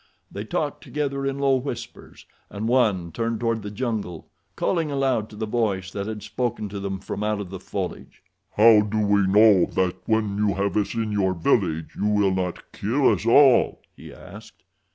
They talked together in low whispers, and one turned toward the jungle, calling aloud to the voice that had spoken to them from out of the foliage. "How do we know that when you have us in your village you will not kill us all?" he asked.